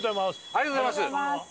ありがとうございます。